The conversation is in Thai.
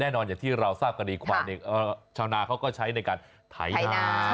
อย่างที่เราทราบกันดีควายเนี่ยชาวนาเขาก็ใช้ในการไถนา